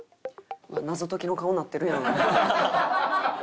謎解きの顔なってるやん。